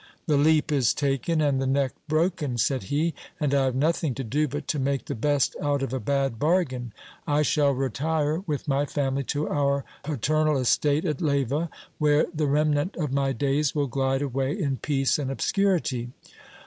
The leap is te.ken, and the neck broken, said he ; and I have nothing to do but to make the best out of a bad bargain : I shall retire with my family to our paternal estate at Leyva, where the remnant of my days will glide away in peace and ohscurity.